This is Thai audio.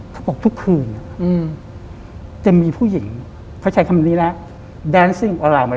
เขาบอกทุกคืนจะมีผู้หญิงเขาใช้คำนี้แหละ